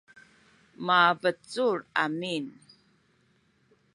mabecul amin